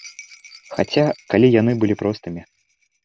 Хаця, калі яны былі простымі!